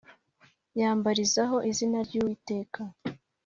yambarizaho izina ry Uwiteka